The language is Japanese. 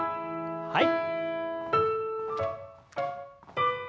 はい。